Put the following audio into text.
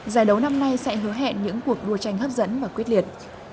giải đấu năm nay sẽ hứa hẹn những cuộc đua tranh hấp dẫn và quyết liệt